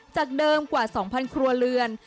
จากเดิมกว่า๒๐๐ครัวเรือน